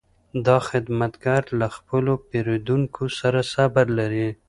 دا خدمتګر له خپلو پیرودونکو سره صبر لري.